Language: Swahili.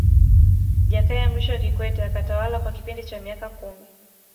Jakaya Mrisho Kikwete akatawala kwa kipindi cha miaka kumi